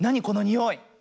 このにおい！？